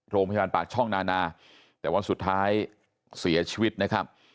โรงพยาบาลปากช่องนานาแต่ว่าสุดท้ายเสียชีวิตนะครับ